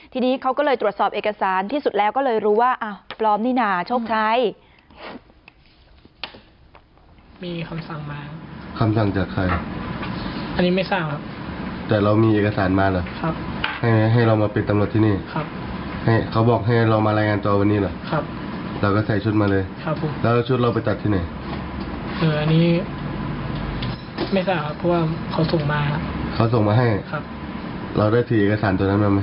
ทีนี้เขาก็เลยตรวจสอบเอกสารที่สุดแล้วก็เลยรู้ว่าปลอมนี่นะโชคชัย